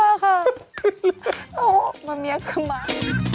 เอาออกมาเมียกกันมา